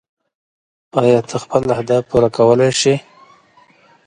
ایا ته خپل اهداف پوره کولی شې؟